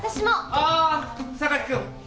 ああ榊君。